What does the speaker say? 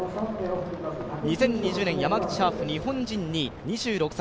２０２０年山口ハーフ日本人２位２６歳。